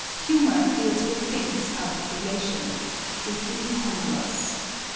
Humor deals with things out of relation with the incongruous.